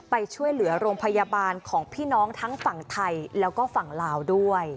ไปช่วยเหลือโรงพยาบาลของพี่น้องทั้งฝั่งไทยแล้วก็ฝั่งลาวด้วย